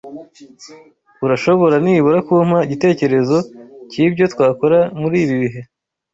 Urashobora nibura kumpa igitekerezo cyibyo twakora muri ibi bihe.